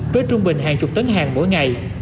với trung bình hàng chục tấn hàng mỗi ngày